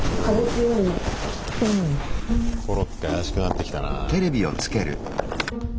コロッケ怪しくなってきたな。